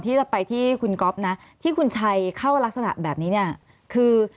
ที่จะไปที่คุณก๊อฟนะที่คุณชัยเข้ารักษณะแบบนี้เนี่ยคือ